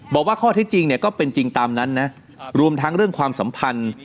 บอกว่าข้อเท็จจริงเนี่ยก็เป็นจริงตามนั้นนะรวมทั้งเรื่องความสัมพันธ์